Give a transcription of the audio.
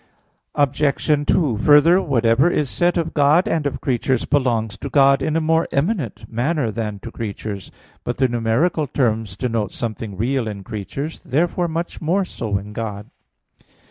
Obj. 2: Further, whatever is said of God and of creatures, belongs to God in a more eminent manner than to creatures. But the numeral terms denote something real in creatures; therefore much more so in God.